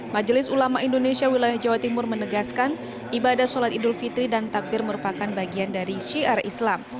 majelis ulama indonesia wilayah jawa timur menegaskan ibadah sholat idul fitri dan takbir merupakan bagian dari syiar islam